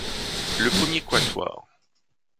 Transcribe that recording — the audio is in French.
Le premier quatuor.